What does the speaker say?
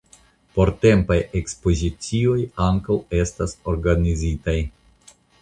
Portempaj ekspozicioj ankaŭ estas organizitaj.